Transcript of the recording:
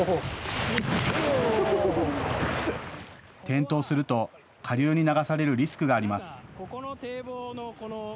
転倒すると下流に流されるリスクがあります。